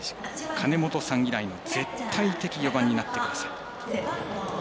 金本さん以来の絶対的４番になってください。